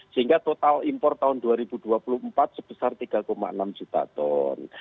sehingga total impor tahun dua ribu dua puluh empat sebesar tiga enam juta ton